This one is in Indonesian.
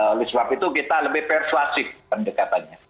oleh sebab itu kita lebih persuasif pendekatannya